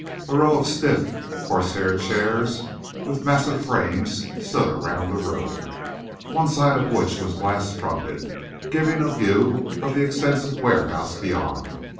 A row of stiff, horsehair chairs with massive frames stood around the room, one side of which was glass fronted, giving a view of the extensive warehouse beyond.